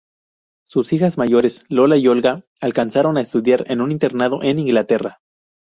Sus hijas mayores, Lola y Olga, alcanzaron a estudiar en un internado en Inglaterra.